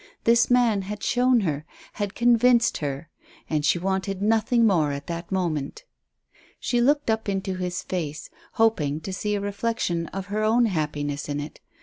This man had shown her, had convinced her, and she wanted nothing more at that moment. She looked up into his face, hoping to see a reflection of her own happiness in it.